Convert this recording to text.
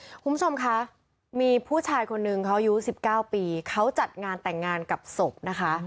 คุณผู้ชมคะมีผู้ชายคนนึงเขาอายุ๑๙ปีเขาจัดงานแต่งงานกับศพนะคะ